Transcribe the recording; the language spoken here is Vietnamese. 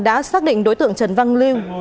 đã xác định đối tượng trần văn lưu